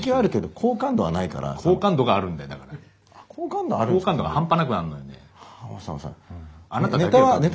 好感度が半端なくあるのよね。